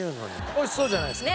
美味しそうじゃないですか。